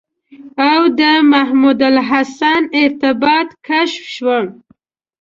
او د محمودالحسن ارتباط کشف شو.